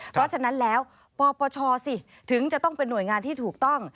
เพราะฉะนั้นแล้วปปชสิถึงจะต้องเป็นหน่วยงานที่ถูกต้อง